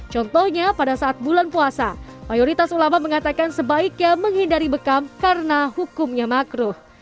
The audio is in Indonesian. contohnya pada saat bulan puasa mayoritas ulama mengatakan sebaiknya menghindari bekam karena hukumnya makruh